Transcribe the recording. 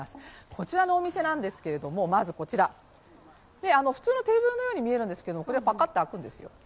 こちらのお店なんですけど、まずこちら、普通のテーブルのように見えるんですがこれはパカッて開くんですよ。